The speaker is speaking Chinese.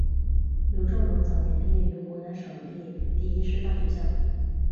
刘仲容早年毕业于湖南省立第一师范学校。